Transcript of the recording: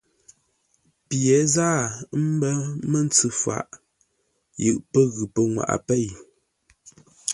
Pye záa ə̀ mbə́ məndməntsʉ faʼ yʉʼ pə́ ghʉ́ pənŋwaʼa pêi.